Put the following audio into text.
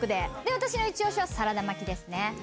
私の一押しはサラダ巻きですね。